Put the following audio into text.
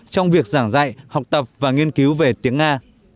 trong việc giảng dạy học tập và nghiên cứu về tiếng nga